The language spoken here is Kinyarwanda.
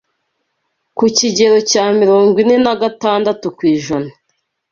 ku kigero cya mirongo ine nagatandatu kw’ijana